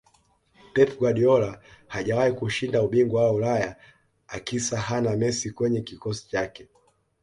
pep guardiola hajawahi kushinda ubingwa wa ulaya akisa hana messi kwenye kikosi chake